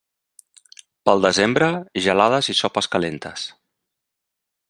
Pel desembre, gelades i sopes calentes.